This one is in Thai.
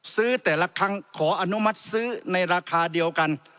ซื้อแต่ละครั้งขออนุมัติซื้อในราคาเดียวกัน